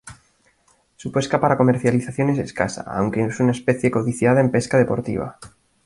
Su pesca para comercialización es escasa, aunque es una especie codiciada en pesca deportiva.